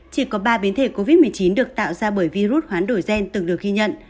chỉ có ba biến thể covid một mươi chín được tạo ra bởi virus hoán đổi gen từng được ghi nhận